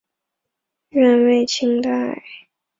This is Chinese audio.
原为清代琅峤卑南道的其中一段。